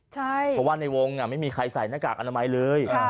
เพราะว่าในวงไม่มีใครใส่หน้ากากอนามัยเลย